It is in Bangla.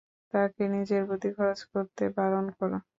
তাকে নিজের বুদ্ধি খরচ করতে বারণ করো।